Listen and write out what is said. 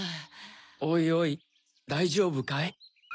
おいおいだいじょうぶかい？